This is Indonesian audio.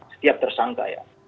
setiap tersangka ya